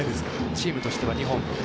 チームとしては２本。